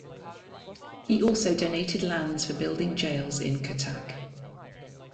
He also donated lands for building jails in Cuttack.